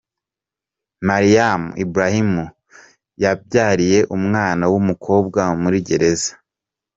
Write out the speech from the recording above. Meriam Ibrahim yabyariye umwana w’umukobwa muri gereza.